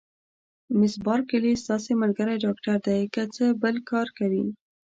مس بارکلي: ستاسي ملګری ډاکټر دی، که څه بل کار کوي؟